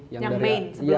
yang main sebelumnya ya